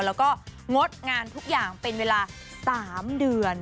แล้วก็งดงานทุกอย่างเป็นเวลา๓เดือน